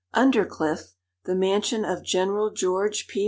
UNDERCLIFF, the mansion of GENERAL GEORGE P.